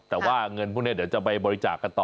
แต่ว่าเงินพวกนี้เดี๋ยวจะไปบริจาคกันต่อ